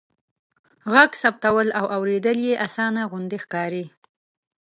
ږغ ثبتول او اوریدل يې آسانه غوندې ښکاري.